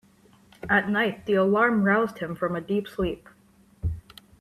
At night the alarm roused him from a deep sleep.